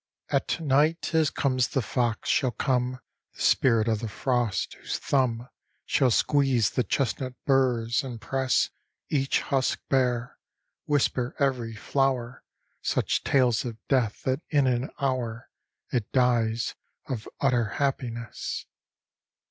At night, as comes the fox, shall come The Spirit of the Frost, whose thumb Shall squeeze the chestnut burs, and press Each husk bare; whisper every flower Such tales of death that in an hour It dies of utter happiness.